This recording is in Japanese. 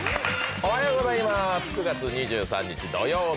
おはようございます、９月２３日土曜日